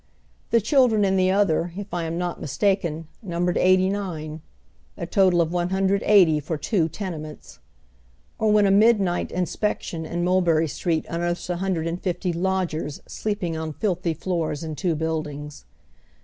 The children in the other, if I am not mistaken, numbered 89, a total of 180 for two tenements ! Or when a midnight inspec tion in Mulbei ry Street unearths a Jiundred and fifty "lodgers" sleeping on filthy floors in two baildings.